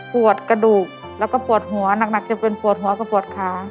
ปวดกระดูกแล้วก็ปวดหัวหนักจะเป็นปวดหัวกับปวดขา